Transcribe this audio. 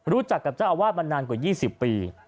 รู้จักกับเจ้าอาวาสมานานกว่า๒๐ปี